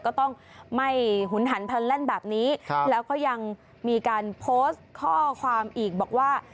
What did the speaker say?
ก็ต้องไม่หุนหันพันแล่นแบบนี้แล้วก็ยังมีการโพสต์ข้อความอีกบอกว่า